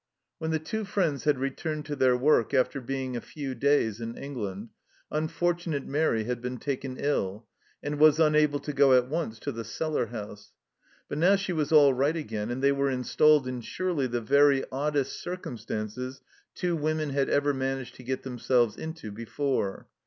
When the two friends had returned to their work after being a few days in England, unfortu nate Mairi had been taken ill, and was unable to go at once to the cellar house ; but now she was all right again, and they were installed in surely the very oddest circumstances two women had ever managed to get themselves into before.